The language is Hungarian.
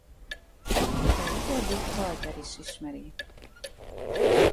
Ez utóbbit Walther is ismeri.